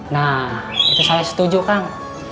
nah itu saya setuju kang